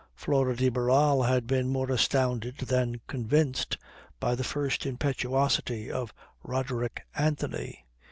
Flora de Barral had been more astounded than convinced by the first impetuosity of Roderick Anthony.